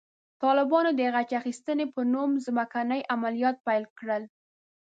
طالبانو د غچ اخیستنې په نوم ځمکني عملیات پیل کړل.